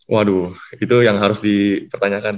waduh itu yang harus dipertanyakan